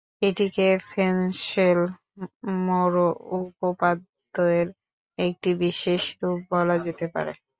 এটিকে ফেনশেল-মোরো উপপাদ্যের একটি বিশেষ রূপ বলা যেতে পারে।